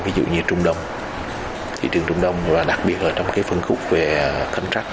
ví dụ như trung đông thị trường trung đông và đặc biệt là trong cái phân khúc về cánh trắc